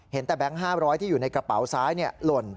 เห็นแต่แบงค์๕๐๐ที่อยู่ในกระเป๋าซ้ายหล่น